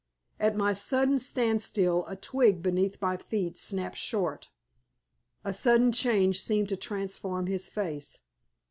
At my sudden standstill a twig beneath my feet snapped short. A sudden change seemed to transform his face.